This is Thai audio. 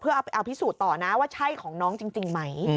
เอาไปเอาพิสูจน์ต่อนะว่าใช่ของน้องจริงไหม